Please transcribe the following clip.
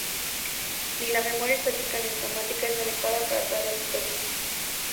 Ni la memoria estática ni automática es adecuada para todas las situaciones.